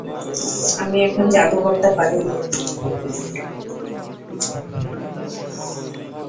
আমি এখন জাদু করতে পারি।